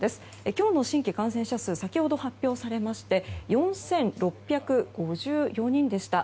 今日の新規感染者数先ほど発表されまして４６５４人でした。